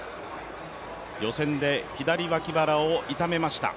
予選で左脇腹を痛めました。